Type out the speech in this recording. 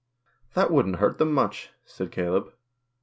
"That wouldn't hurt them much," said Caleb.